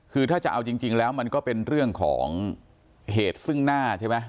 คือถ้าจะเอาจริงแล้วมันก็เป็นเรื่องของเหตุซึ่งหน้าใช่ไหม